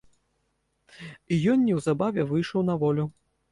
І ён неўзабаве выйшаў на волю.